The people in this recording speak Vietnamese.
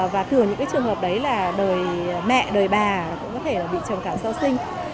và thường những trường hợp đấy là đời mẹ đời bà cũng có thể bị trầm cảm so sinh